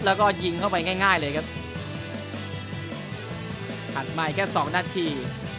แล้วก็ยิงเข้าไปง่ายเลยครับขัดไม่แค่๒นาที